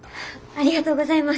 ありがとうございます！